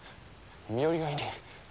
身寄りがいねぇ。